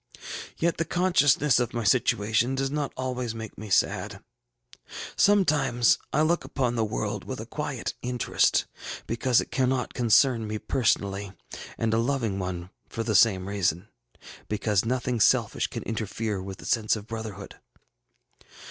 Yet the consciousness of my situation does not always make me sad. Sometimes I look upon the world with a quiet interest, because it cannot, concern me personally, and a loving one for the same reason, because nothing selfish can interfere with the sense of brotherhood.